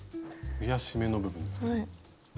増やし目の部分ですね。